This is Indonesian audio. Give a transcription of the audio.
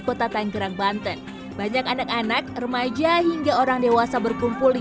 kota tanggerang banten banyak anak anak remaja hingga orang dewasa berkumpul di